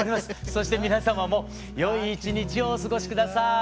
そして皆様も良い一日をお過ごし下さい。